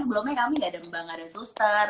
sebelumnya kami nggak ada mbak nggak ada suster